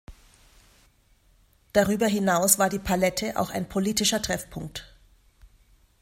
Darüber hinaus war die "Palette" auch ein politischer Treffpunkt.